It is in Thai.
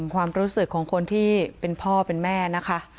ความรู้สึกของคนที่เป็นพ่อเป็นแม่นะคะ